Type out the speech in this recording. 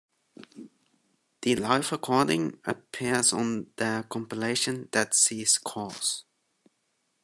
The live recording appears on their compilation Dead Sea Scrolls.